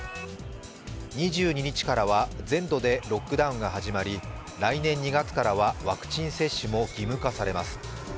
２２日からは全土でロックダウンが始まり、来年２月からはワクチン接種も義務化されます。